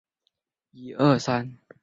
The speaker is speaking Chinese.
选择的机会